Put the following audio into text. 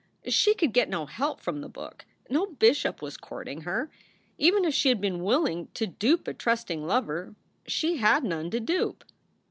She could get no help from the book. No bishop was courting her. Even if she had been willing to dupe a trusting lover, she had none to dupe.